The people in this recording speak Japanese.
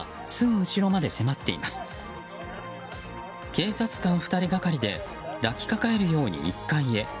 警察官２人がかりで抱きかかえるように１階へ。